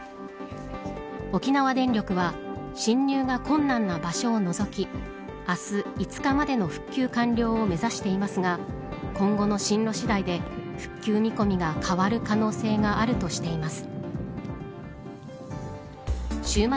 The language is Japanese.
沖縄電力は進入が困難な場所を除き明日５日までの復旧完了を目指していますが今後の進路次第で復旧見込みが変わる可能性があるとしています。